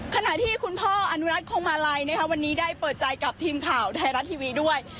ขณะที่คุณพ่ออนุรัติคงมาลัยวันนี้ได้เปิดใจกับทีมข่าวไทยรัฐทีวีด้วย